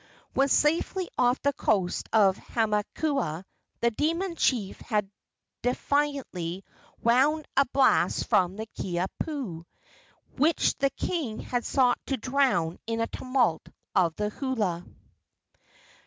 When safely off the coast of Hamakua the demon chief had defiantly wound a blast from the Kiha pu, which the king had sought to drown in the tumult of the hula.